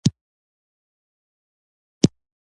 د هغه شاعر دانې وشه په ژبه.